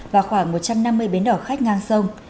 và khoảng một trăm năm mươi bến đỏ khách ngang sông